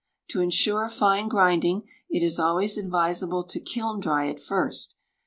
To ensure fine grinding, it is always advisable to kiln dry it first.